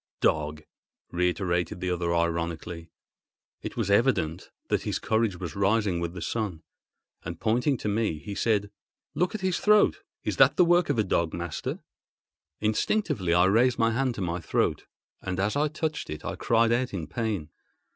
"Dog!" reiterated the other ironically. It was evident that his courage was rising with the sun; and, pointing to me, he said, "Look at his throat. Is that the work of a dog, master?" Instinctively I raised my hand to my throat, and as I touched it I cried out in pain.